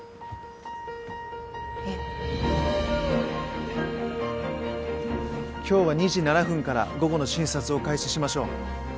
えっ？今日は２時７分から午後の診察を開始しましょう。